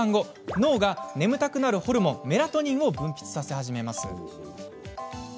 脳が眠たくなるホルモンメラトニンを分泌させ始めます。